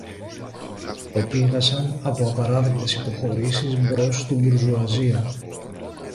Επήγασαν από απαράδεκτες υποχωρήσεις μπρος στη μπουρζουαζία.